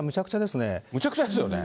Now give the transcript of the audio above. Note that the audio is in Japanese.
むちゃくちゃですよね。